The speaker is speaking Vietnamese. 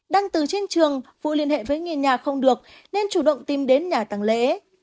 đăng từ trên trường phú liên hệ với người nhà không được nên chủ động tìm đến nhà tăng lễ